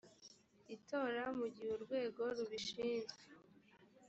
itora mu gihe urwego rubishinzwe